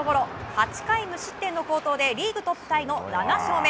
８回無失点の好投でリーグトップタイの７勝目。